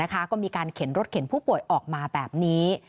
ก็มีการเข็นรถเข็นผู้ป่วยออกมาแบบนี้